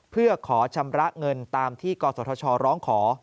เพื่อขอชำระเงินตามที่กศธชร้องขอ